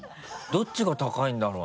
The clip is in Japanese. どっちが高いんだろうな？